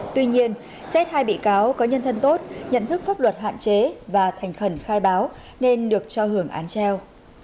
tuy nhiên xét hai bị cáo có nhân thân tốt nhận thức pháp luật hạn chế và thành khẩn khai báo nên được cho hưởng án treo